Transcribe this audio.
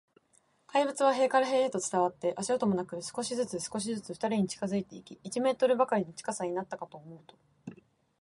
怪物は塀から塀へと伝わって、足音もなく、少しずつ、少しずつ、ふたりに近づいていき、一メートルばかりの近さになったかと思うと、